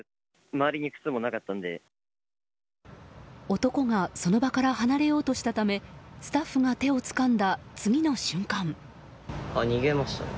男がその場から離れようとしたためスタッフが手をつかんだ次の瞬間。